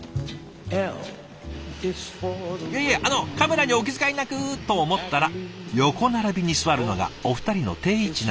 いやいやあのカメラにお気遣いなくと思ったら横並びに座るのがお二人の定位置なんだそう。